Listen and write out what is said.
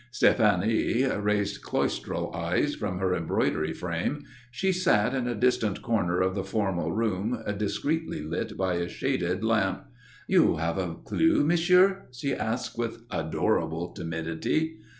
Stéphanie raised cloistral eyes from her embroidery frame. She sat in a distant corner of the formal room discreetly lit by a shaded lamp. "You have a clue, Monsieur?" she asked with adorable timidity.